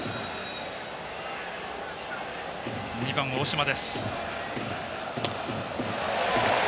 ２番、大島です。